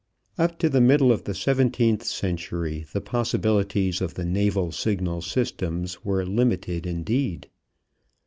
Up to the middle of the seventeenth century the possibilities of the naval signal systems were limited indeed.